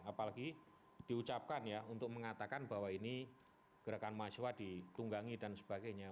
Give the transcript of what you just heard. apalagi diucapkan ya untuk mengatakan bahwa ini gerakan mahasiswa ditunggangi dan sebagainya